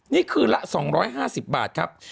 นี่คืนละ๒๕๐บาทครับ